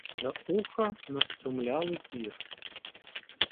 За уха настромляли пір.